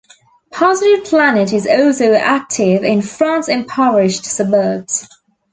Positive Planet is also active in France empoverished suburbs.